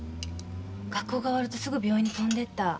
学校が終わるとすぐ病院に飛んでった。